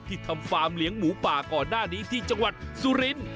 ที่ทำฟาร์มเลี้ยงหมูปาก่อนหน้านี้ที่จังหวัดโสฬิน